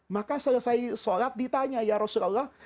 maka selesai sholat ditanya ya rasulullah